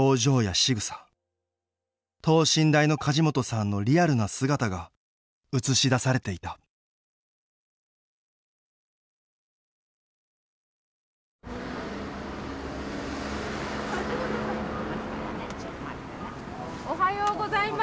等身大の梶本さんのリアルな姿が映し出されていた・おはようございます。